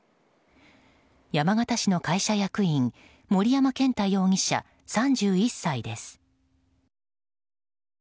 山形市の会社役員森山健太容疑者、３１歳です。